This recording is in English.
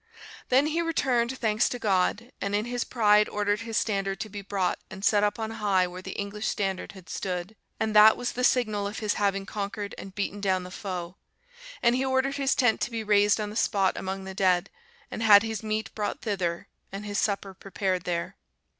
Then he returned thanks to God, and in his pride ordered his standard to be brought and set up on high where the English standard had stood; and that was the signal of his having conquered and beaten down the foe. And he ordered his tent to be raised on the spot among the dead, and had his meat brought thither, and his supper prepared there.